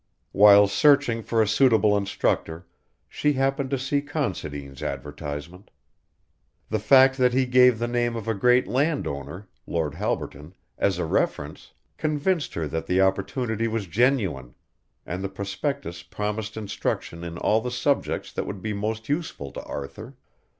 While searching for a suitable instructor she happened to see Considine's advertisement. The fact that he gave the name of a great landowner, Lord Halberton, as a reference, convinced her that the opportunity was genuine, and the prospectus promised instruction in all the subjects that would be most useful to Arthur.